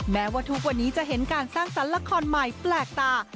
แม้ว่าทุกวันนี้จะเห็นการสร้างสรรค์ละครใหม่แปลกตา